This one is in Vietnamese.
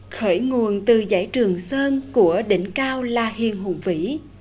khởi nguồn từ giải trường sơn của đỉnh cao la hiền hùng vĩ